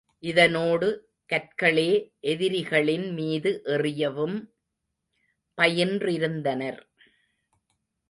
இதனோடு கற்களே எதிரிகளின் மீது எறியவும் பயின்றிருந்தனர்.